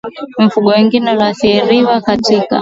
Mifugo wengine walioathiriwa katika